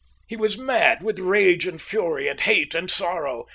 He was mad with rage and fury and hate and sorrow.